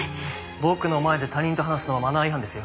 僕の前で他人と話すのはマナー違反ですよ。